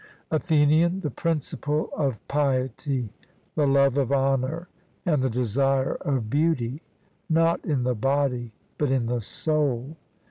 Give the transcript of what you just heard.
ATHENIAN: The principle of piety, the love of honour, and the desire of beauty, not in the body but in the soul.